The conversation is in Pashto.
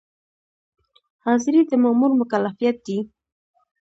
حاضري د مامور مکلفیت دی